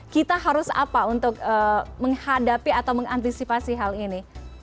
kita harus apa untuk menghadapi atau mengantisipasi hal ini